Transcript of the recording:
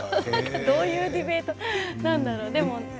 どういうディベートなんだろう。